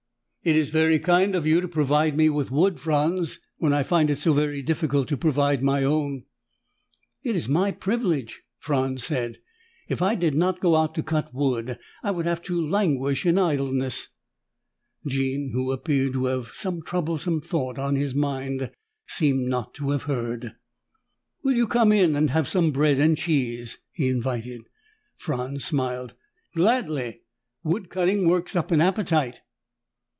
"It is very kind of you to provide me with wood, Franz, when I find it so very difficult to provide my own." "It is my privilege," Franz said. "If I did not go out to cut wood, I would have to languish in idleness." Jean, who appeared to have some troublesome thought on his mind, seemed not to have heard. "Will you come in and have some bread and cheese?" he invited. Franz smiled. "Gladly. Wood cutting works up an appetite."